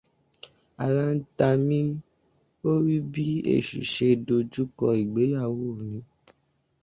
Ara ń ta mí lórí bí Èṣù ṣe dojú kọ ìgbéyàwó mi.